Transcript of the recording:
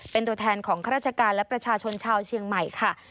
เป็นตัวแทนของข้าราชการและประชาชนชาวเชียงใหม่ค่ะ